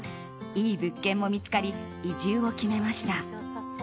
いい物件も見つかり移住を決めました。